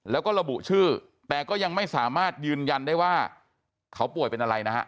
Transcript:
แล้วก็ระบุชื่อแต่ก็ยังไม่สามารถยืนยันได้ว่าเขาป่วยเป็นอะไรนะฮะ